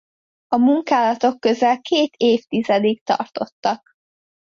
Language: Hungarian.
A munkálatok közel két évtizedig tartottak.